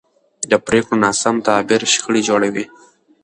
د پرېکړو ناسم تعبیر شخړې جوړوي